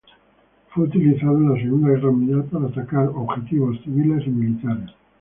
Fue utilizado en la Segunda Guerra Mundial para atacar objetivos civiles y militares.